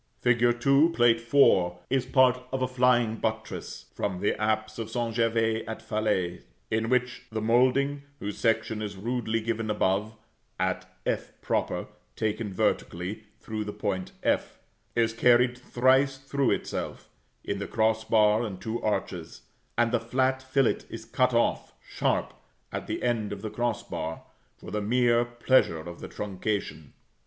Fig. 2, Plate IV. is part of a flying buttress from the apse of St. Gervais at Falaise, in which the moulding whose section is rudely given above at [=f], (taken vertically through the point f,) is carried thrice through itself, in the cross bar and two arches; and the flat fillet is cut off sharp at the end of the cross bar, for the mere pleasure of the truncation.